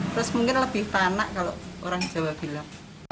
terus mungkin lebih tanah kalau orang jawa bilang